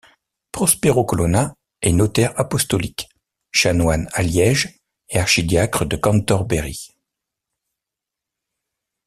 Prospero Colonna est notaire apostolique, chanoine à Liège et archidiacre de Cantorbéry.